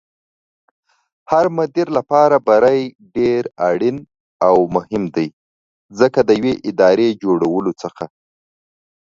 هرمدير لپاره بری ډېر اړين او مهم دی ځکه ديوې ادارې دجوړېدلو څخه